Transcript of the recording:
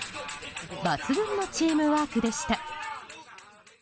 抜群のチームワークでした。